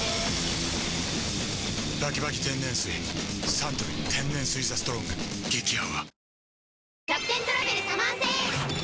サントリー天然水「ＴＨＥＳＴＲＯＮＧ」激泡